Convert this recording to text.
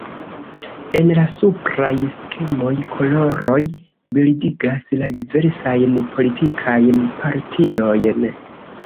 En la supraj skemoj, koloroj bildigas la diversajn politikajn partiojn.